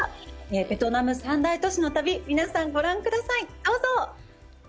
ベトナム三大都市の旅、皆さんご覧ください、どうぞ。